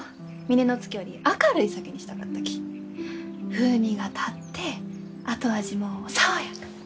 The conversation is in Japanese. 風味が立って後味も爽やか。